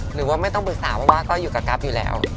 หรือว่าไม่ต้องปรึกษาเพราะว่าก็อยู่กับกราฟอยู่แล้ว